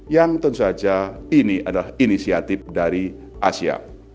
yang tentu saja ini adalah inisiatif dari asia